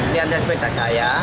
lihat lihat sepeda saya